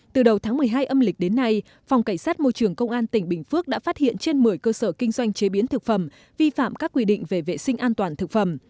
từ đầu tháng một mươi hai âm lịch đến nay phòng cảnh sát môi trường công an tỉnh bình phước đã phát hiện trên một mươi cơ sở kinh doanh chế biến thực phẩm vi phạm các quy định về vệ sinh an toàn thực phẩm